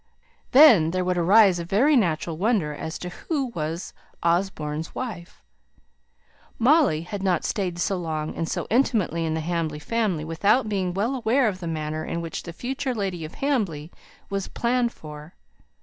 Then there would arise a very natural wonder as to who Osborne's wife was. Molly had not stayed so long and so intimately in the Hamley family without being well aware of the manner in which the future lady of Hamley was planned for.